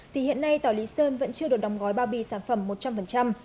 thì hiện nay tòa lý sơn vẫn chưa được đồng gói bao bì sản phẩm một trăm linh